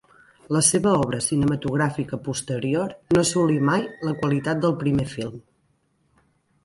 La seva obra cinematogràfica posterior no assolí mai la qualitat del primer film.